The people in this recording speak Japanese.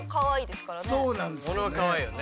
そうなんですよね。